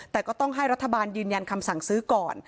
แต่ก็ต้องให้รัฐบาลยืนยันคำสั่งซื้อก่อน